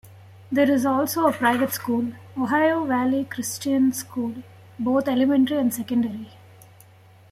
There is also a private school: Ohio Valley Christian School, both elementary and secondary.